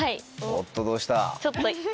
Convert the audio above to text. おっとどうした？